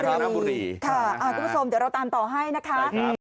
คุณผู้ชมเดี๋ยวเราตามต่อให้นะคะ